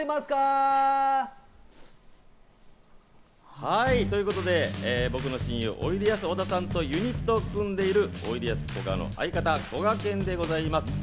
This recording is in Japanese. はい、ということで、僕の親友・おいでやす小田さんとユニットを組んでいる、おいでやすこがの相方・こがけんでございます。